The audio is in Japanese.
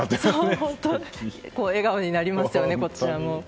笑顔になりますよね、こちらも。